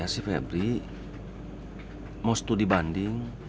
anak saya sih febri mau studi banding